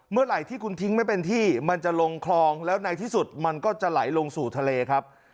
เมื่อไหร่ที่คุณทิ้งไม่เป็นที่มันจะลงคลองแล้วในที่สุดมันก็จะไหลลงสู่ทะเลครับ